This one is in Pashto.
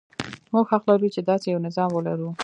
موږ حق لرو چې داسې یو نظام ولرو.